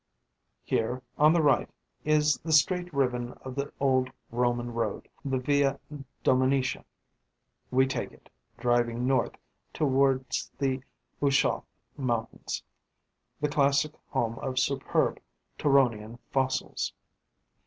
Here, on the right, is the straight ribbon of the old Roman road, the Via Domitia. We take it, driving north towards the Uchaux Mountains, the classic home of superb Turonian fossils.